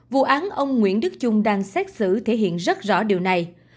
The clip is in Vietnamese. vụ án ông nguyễn đức trung đang xét xử thể hiện rất rõ điều này